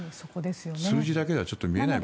数字だけではちょっと見えない。